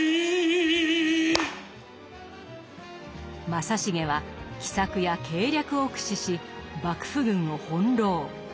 正成は奇策や計略を駆使し幕府軍を翻弄。